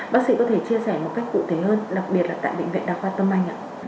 bác sĩ có thể chia sẻ một cách cụ thể hơn đặc biệt là tại bệnh viện đa khoa tâm anh ạ